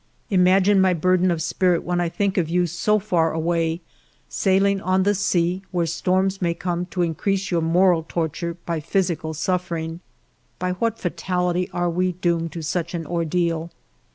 " Imagine my burden of spirit when I think of you so far away, sailing on the sea, where storms may come to increase your moral torture by phy sical suffering. By what fatality are we doomed to such an ordeal